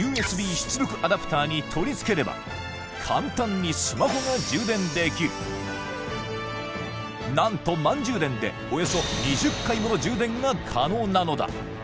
出力アダプターに取り付ければ簡単にスマホが充電できる何と満充電でおよそ２０回もの充電が可能なのだ！